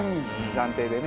暫定でね。